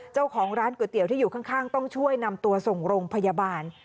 เจ้าของร้านก๋วยเตี๋ยวที่อยู่ข้างต้องช่วยนำตัวส่งโรงพยาบาล